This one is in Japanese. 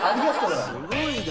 「すごいな」